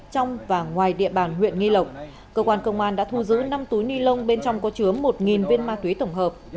trong và ngoài địa bàn huyện nghi lộc cơ quan công an đã thu giữ năm túi ni lông bên trong có chứa một viên ma túy tổng hợp